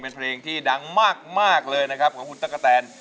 เป็นเพลงที่ดังมากเลยนะครับของคุณตั๊กกะแตน